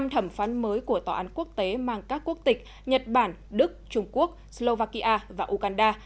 năm thẩm phán mới của tòa án quốc tế mang các quốc tịch nhật bản đức trung quốc slovakia và uganda